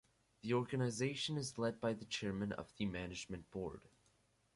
The organization is led by the Chairman of the Management Board.